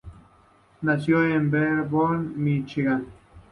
Nació en Dearborn, Michigan.